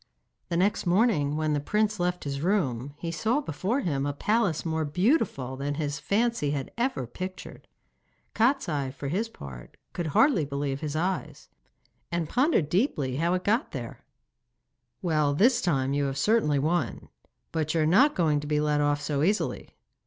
The next morning when the prince left his room he saw before him a palace more beautiful than his fancy had ever pictured. Kostiei for his part could hardly believe his eyes, and pondered deeply how it had got there. 'Well, this time you have certainly won; but you are not going to be let off so easily.